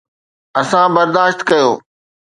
اسان برداشت ڪيو.